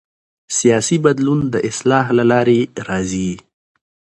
سیاسي بدلون د اصلاح له لارې راځي